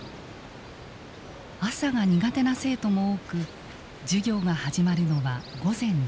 朝が苦手な生徒も多く授業が始まるのは午前１１時です。